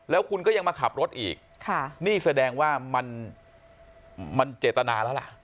แล้วคุณก็ยังมาขับรถอีกนี่แสดงว่ามันเจตนาแล้วล่ะ